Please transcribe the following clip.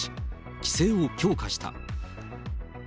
規制を強化した。